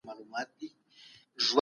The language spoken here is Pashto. تعصب د علمي کار مخه نيسي.